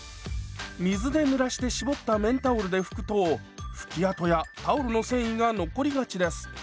水でぬらして絞った綿タオルで拭くと拭き跡やタオルの繊維が残りがちです。